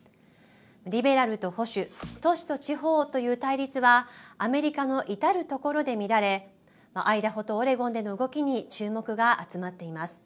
リベラルと保守都市と地方という対立はアメリカの至る所で見られアイダホとオレゴンでの動きに注目が集まっています。